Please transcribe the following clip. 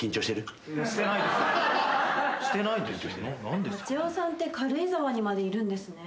バチェ男さんって軽井沢にまでいるんですね。